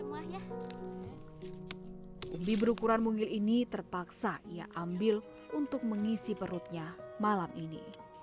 umbi berukuran mungil ini terpaksa ia ambil untuk mengisi perutnya malam ini